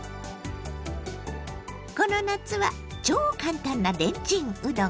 この夏は超簡単なレンチンうどん。